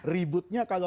ribut dengan allah